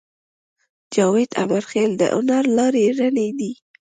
جاوید امیرخېل د هنر لارې رڼې دي